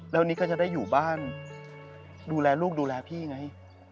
แล้วนี่ก็จะได้อยู่บ้านดูแลลูกดูแลพี่ไง